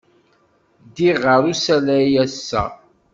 Ddiɣ ɣer usalay ass-a.